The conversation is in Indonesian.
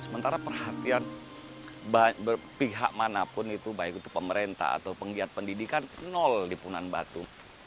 sementara perhatian pihak manapun itu baik itu pemerintah atau penggiat pendidikan nol di punan batu